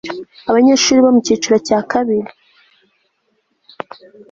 abanyeshuri bo mu cyiciro cya kabiri